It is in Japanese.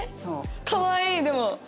かわいいでも。